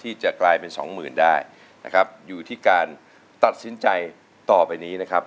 ที่จะกลายเป็นสองหมื่นได้นะครับอยู่ที่การตัดสินใจต่อไปนี้นะครับ